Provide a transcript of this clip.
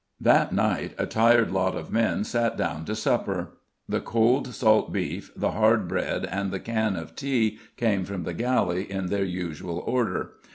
That night a tired lot of men sat down to supper. The cold salt beef, the hard bread and the can of tea came from the galley in their usual order.